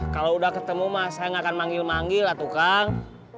kalau udah ketemu mas saya nggak akan manggil manggil lah tukang